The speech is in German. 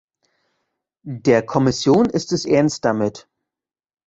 Der Kommission ist es ernst damit.